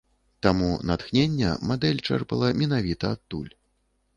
Таму натхнення мадэль чэрпала менавіта адтуль.